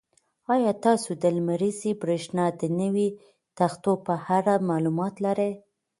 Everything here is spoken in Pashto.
ایا تاسو د لمریزې برېښنا د نویو تختو په اړه معلومات لرئ؟